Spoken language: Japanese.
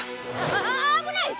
あ危ない！